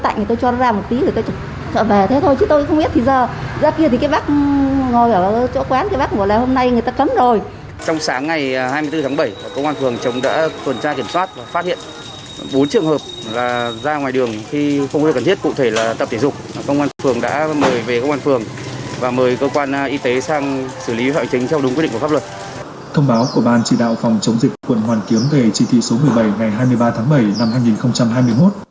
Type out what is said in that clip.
thông báo của ban chỉ đạo phòng chống dịch quận hoàn kiếm về chỉ thị số một mươi bảy ngày hai mươi ba tháng bảy năm hai nghìn hai mươi một